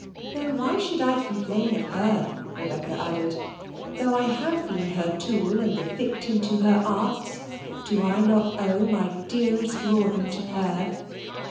Though why should I complain of her," Rebecca added; "though I have been her tool and the victim to her arts, do I not owe my dearest Rawdon to her?"